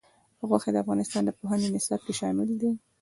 غوښې د افغانستان د پوهنې نصاب کې شامل دي.